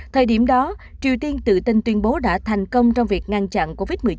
thời điểm đó triều tiên tự tin tuyên bố đã thành công trong việc ngăn chặn covid một mươi chín